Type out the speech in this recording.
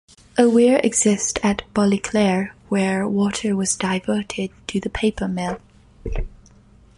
A weir exists at Ballyclare where water was diverted to the paper mill.